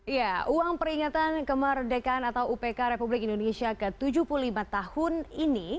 ya uang peringatan kemerdekaan atau upk republik indonesia ke tujuh puluh lima tahun ini